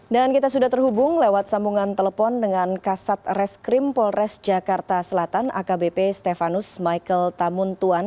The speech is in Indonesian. dan kita sudah terhubung lewat sambungan telepon dengan kasat reskrim polres jakarta selatan akbp stefanus michael tamuntuan